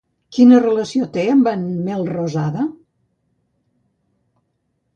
Quina relació té amb en Melrosada?